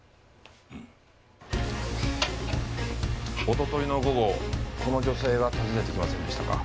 一昨日の午後この女性が訪ねてきませんでしたか？